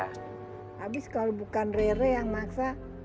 habis kalau bukan rere yang maksa